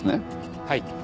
はい。